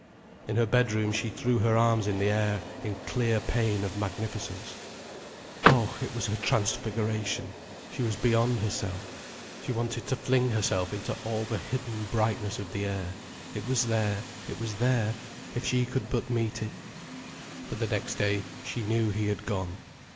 In her bedroom she threw her arms in the air in clear pain of magnificence. Oh, it was her transfiguration, she was beyond herself. She wanted to fling herself into all the hidden brightness of the air. It was there, it was there, if she could but meet it. But the next day she knew he had gone.